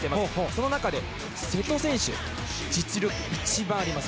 その中で、瀬戸選手実力一番あります。